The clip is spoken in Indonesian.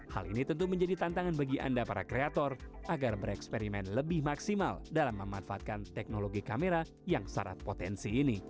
hal ini tentu menjadi tantangan bagi anda para kreator agar bereksperimen lebih maksimal dalam memanfaatkan teknologi kamera yang syarat potensi ini